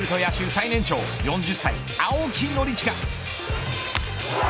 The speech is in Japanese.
最年長４０歳、青木宣親。